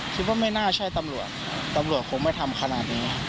คิดว่าไม่น่าใช่ตำรวจตำรวจคงไม่ทำขนาดนี้